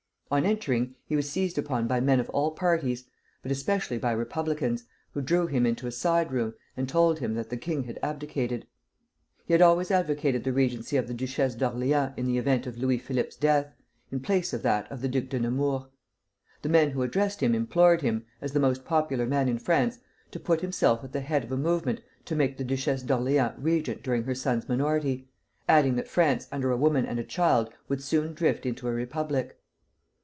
On entering, he was seized upon by men of all parties, but especially by republicans, who drew him into a side room and told him that the king had abdicated. He had always advocated the regency of the Duchess of Orleans in the event of Louis Philippe's death, in place of that of the Duc de Nemours. The men who addressed him implored him, as the most popular man in France, to put himself at the head of a movement to make the Duchess of Orleans regent during her son's minority, adding that France under a woman and a child would soon drift into a republic.